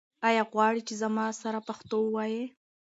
آیا غواړې چې زما سره پښتو ووایې؟